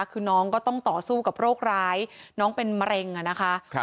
คือน้องก็ต้องต่อสู้กับโรคร้ายน้องเป็นมะเร็งอ่ะนะคะ